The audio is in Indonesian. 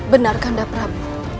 benarkah anda prabu